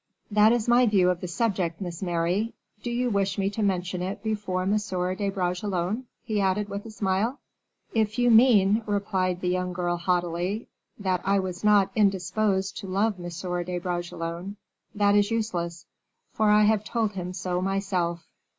"That is my view of the subject, Miss Mary; do you wish me to mention it before M. de Bragelonne?" he added, with a smile. "If you mean," replied the young girl, haughtily, "that I was not indisposed to love M. de Bragelonne, that is useless, for I have told him so myself."